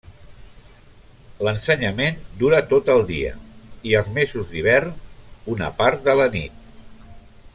L'ensenyament dura tot el dia, i els mesos d'hivern, una part de la nit.